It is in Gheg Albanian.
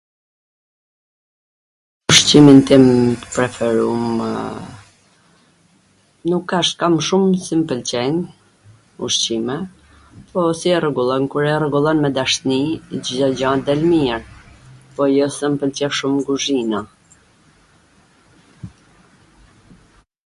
USHQIMIN TIM T PREFERUM.... NUK KA ... ka mw shum qw m pwlqejn ushqime... po si e rregullon... Cdo gjw kur e rregullon me dashni del mir, po jo se m pwlqen shum guzhina ...